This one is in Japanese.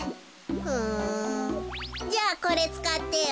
じゃあこれつかってよ。